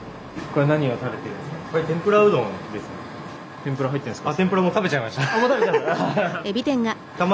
天ぷら入ってるんですか？